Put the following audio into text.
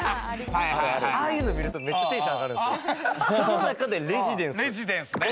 ああいうの見ると、めっちゃテンション上がる。